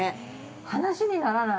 ◆話にならない。